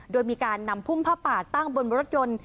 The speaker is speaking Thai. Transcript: โดยมีการนำพุ่มผ้าป่าตั้งบนรถยนต์